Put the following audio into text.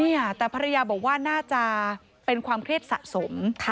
เนี่ยแต่ภรรยาบอกว่าน่าจะเป็นความเครียดสะสม